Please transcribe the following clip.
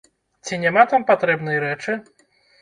Ці няма там патрэбнай рэчы?